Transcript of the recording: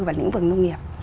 vào lĩnh vực nông nghiệp